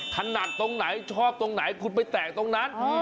ถนัดตรงไหนชอบตรงไหนคุณไปแตกตรงนั้น